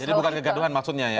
jadi bukan kegaduhan maksudnya ya